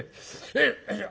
よいしょ。